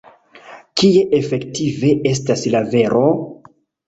Kie efektive estas la vero?